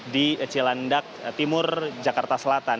di cilandak timur jakarta selatan